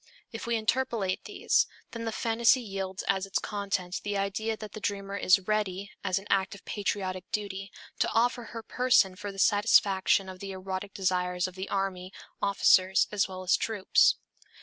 If we interpolate these, then the phantasy yields as its content the idea that the dreamer is ready, as an act of patriotic duty, to offer her person for the satisfaction of the erotic desires of the army, officers as well as troops.